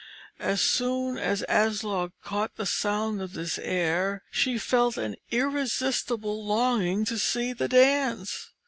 As soon as Aslog caught the sound of this air, she felt an irresistible longing to see the dance.